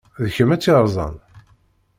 D kemm ay tt-yerẓan?